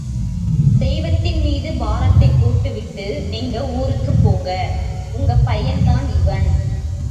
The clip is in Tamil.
தெய்வத்தின்மீது பாரத்தைப் போட்டு விட்டு நீங்க ஊருக்குப்போங்க!... உங்க பையன்தான் இவன்.